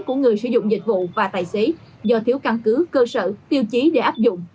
của người sử dụng dịch vụ và tài xế do thiếu căn cứ cơ sở tiêu chí để áp dụng